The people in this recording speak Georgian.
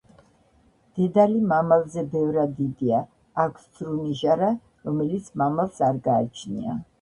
დედალი მამალზე ბევრად დიდია, აქვს ცრუ ნიჟარა, რომელიც მამალს არ გააჩნია.